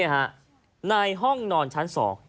นี่ฮะในห้องนอนชั้น๒